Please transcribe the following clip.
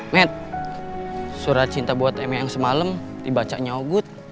met surat cinta buat eme yang semalem dibaca nyogut